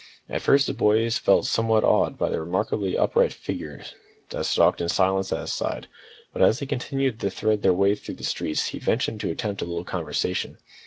At first the boy felt somewhat awed by the remarkably upright figure that stalked in silence at his side, but as they continued to thread their way through the streets he ventured to attempt a little conversation.